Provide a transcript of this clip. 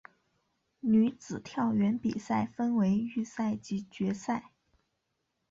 女子跳远比赛分为预赛及决赛。